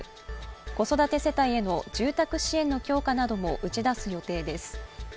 子育て世帯への住宅支援の強化なども打ち出す予定です。